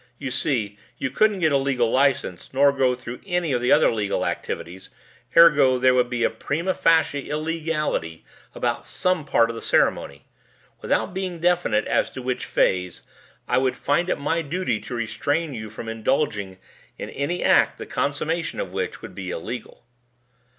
You see, you couldn't get a legal license nor go through any of the other legal activities, ergo there would be a prima facie illegality about some part of the ceremony. Without being definite as to which phase, I would find it my duty to restrain you from indulging in any act the consummation of which would be illegal."